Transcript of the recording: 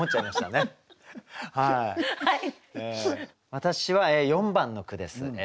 私は４番の句ですね。